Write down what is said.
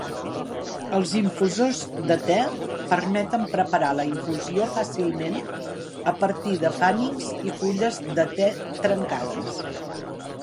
Els infusors de te permeten preparar la infusió fàcilment a partir de fannings i fulles de te trencades